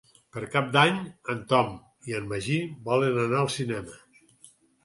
Per Cap d'Any en Tom i en Magí volen anar al cinema.